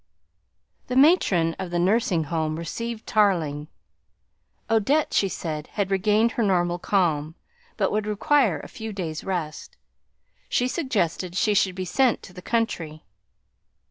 The matron of the nursing home received Tarling. Odette, she said, had regained her normal calm, but would require a few days' rest. She suggested she should be sent to the country.